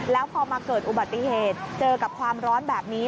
แล้วพอมาเกิดอุบัติเหตุเจอกับความร้อนแบบนี้